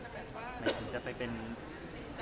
ก็มันเป็นวิทยาลัยให้เขามากกว่า